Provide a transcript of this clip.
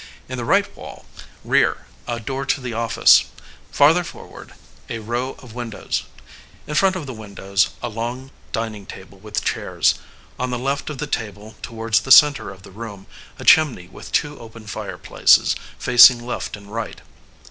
In the right wall, rear, a door to the office. Farther forward, a row of windows. In front of the windows, a long dining table with chairs. On the left of the table, towards the centre of the room, a chimney with two open fire places, facing left and right.